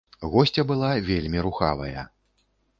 Госця была вельмі рухавая.